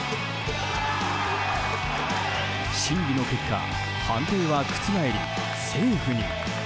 審議の結果、判定は覆りセーフに。